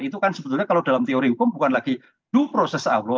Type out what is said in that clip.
itu kan sebetulnya kalau dalam teori hukum bukan lagi due process of law